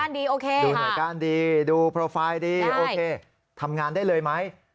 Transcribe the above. ดูหน่วยการดีดูโปรไฟล์ดีโอเคทำงานได้เลยไหม